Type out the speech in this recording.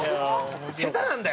下手なんだよ！